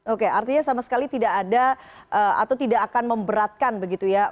oke artinya sama sekali tidak ada atau tidak akan memberatkan begitu ya